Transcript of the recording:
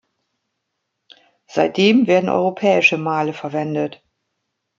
Seitdem werden europäische Male verwendet.